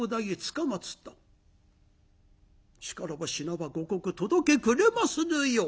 しからば品ば御国届けくれまするよう」。